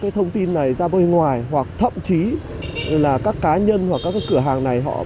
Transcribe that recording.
cái thông tin này ra bên ngoài hoặc thậm chí là các cá nhân hoặc các cái cửa hàng này họ có thể làm